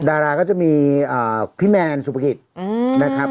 ดาราก็จะมีพี่แมนสุภกิจนะครับ